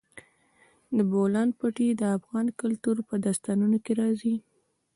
د بولان پټي د افغان کلتور په داستانونو کې راځي.